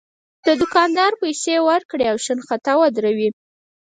د دوکاندار پیسې ورکړي او شنخته ودروي.